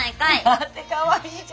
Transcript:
だってかわいいじゃん。